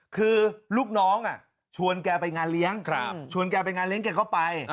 คือลูกน้องชวนแกไปงานเลี้ยงชวนแกไปงานเลี้ยแกก็ไป